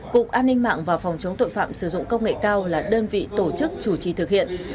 cục an ninh mạng và phòng chống tội phạm sử dụng công nghệ cao là đơn vị tổ chức chủ trì thực hiện